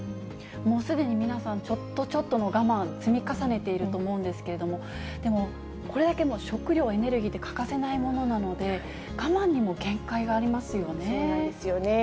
もうすでに皆さん、ちょっとちょっとの我慢、積み重ねていると思うんですけど、でも、これだけもう、食料、エネルギーって、欠かせないものなので、我慢にも限界があそうなんですよね。